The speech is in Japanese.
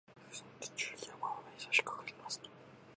その途中、山の上にさしかかりますと